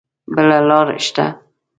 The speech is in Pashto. بله لار شته؟